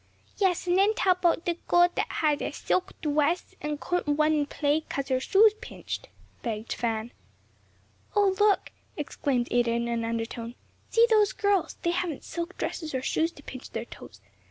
"Yes; and then tell 'bout the girl that had a silk dress and couldn't run and play 'cause her shoes pinched," begged Fan. "Oh look!" exclaimed Ada in an undertone, "see those girls. They haven't silk dresses or shoes to pinch their toes.